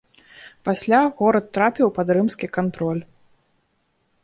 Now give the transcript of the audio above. Пасля горад трапіў пад рымскі кантроль.